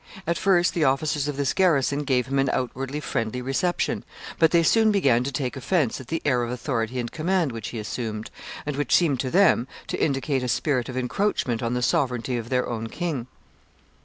At first the officers of this garrison gave him an outwardly friendly reception, but they soon began to take offense at the air of authority and command which he assumed, and which seemed to them to indicate a spirit of encroachment on the sovereignty of their own king.